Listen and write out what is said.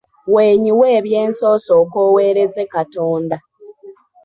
Weenyiwe eby’ensi osooke oweereze Katonda.